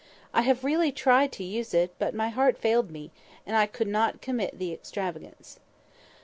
I have really tried to use it, but my heart failed me, and I could not commit the extravagance.